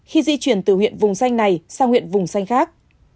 khi di chuyển từ huyện vùng xanh này sang huyện vùng xanh khác